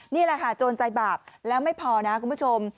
นี่แหละค่ะโจรใจบาปแล้วไม่พอนะคุณผู้ชม